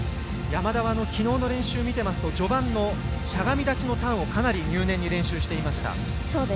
山田はきのうの練習を見てますと序盤のしゃがみ立ちのターンをかなり入念に練習していました。